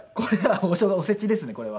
おせちですねこれは。